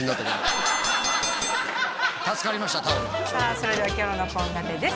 それでは今日の献立です